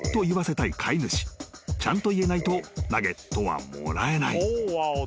［ちゃんと言えないとナゲットはもらえない］